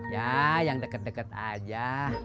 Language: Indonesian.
ya yang deket deket aja